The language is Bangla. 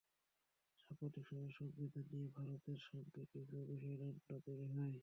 সাম্প্রতিক সময়ে সংবিধান নিয়ে ভারতের সঙ্গে কিছু বিষয়ে দ্বন্দ্ব তৈরি হয়।